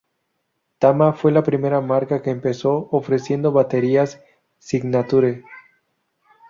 Tama fue la primera marca que empezó ofreciendo baterías "Signature.